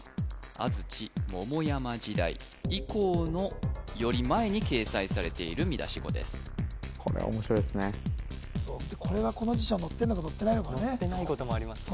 安土桃山時代以降のより前に掲載されている見出し語ですそうでこれはこの辞書載ってんのか載ってないのかね・載ってないこともありますしね